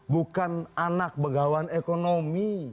bukan anak begawan ekonomi